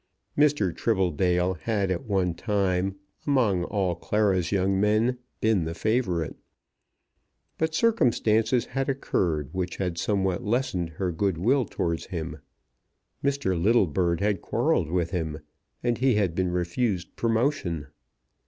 Mr. Tribbledale had at one time, among all Clara's young men, been the favourite. But circumstances had occurred which had somewhat lessened her goodwill towards him. Mr. Littlebird had quarrelled with him, and he had been refused promotion.